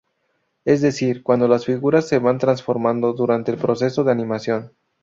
Es decir, cuando las figuras se van transformando durante el progreso de animación.